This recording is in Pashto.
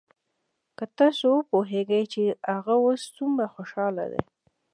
که تاسو وپويېګئ چې هغه اوس سومره خوشاله دى.